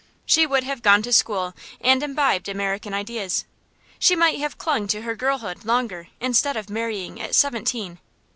She would have gone to school and imbibed American ideas. She might have clung to her girlhood longer instead of marrying at seventeen.